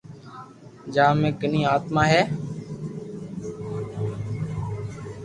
جآ مي ڪني آتما ھتي